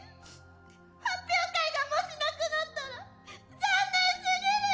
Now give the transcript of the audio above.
発表会がもしなくなったらざんねんすぎるよ！